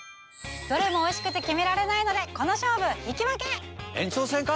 どれもおいしくて決められないのでこの勝負引き分け！延長戦か？